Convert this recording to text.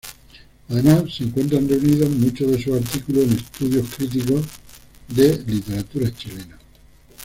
Además, se encuentran reunidos muchos de sus artículos en "Estudios críticos de literatura chilena".